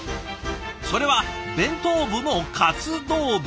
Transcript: それは弁当部の活動日。